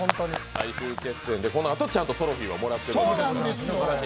最終決戦で、このあとトロフィーをもらっていると。